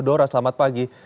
dora selamat pagi